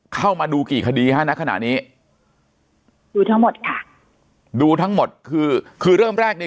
เข้ามาดูกี่คดีฮะณขณะนี้ดูทั้งหมดค่ะดูทั้งหมดคือคือเริ่มแรกเนี่ย